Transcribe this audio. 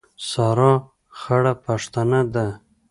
سارا خړه پښتنه ده.